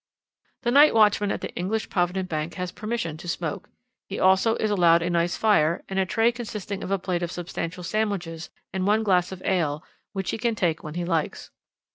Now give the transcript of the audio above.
"The night watchman at the English Provident Bank has permission to smoke, he also is allowed a nice fire, and a tray consisting of a plate of substantial sandwiches and one glass of ale, which he can take when he likes.